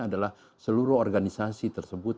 adalah seluruh organisasi tersebut